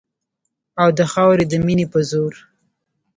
او د خاورې د مینې په زور